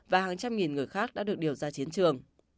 và hàng trăm nghìn người khác đã được điều ra chiến trường